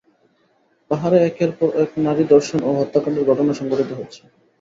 পাহাড়ে একের পর এক নারী ধর্ষণ ও হত্যাকাণ্ডের ঘটনা সংঘটিত হচ্ছে।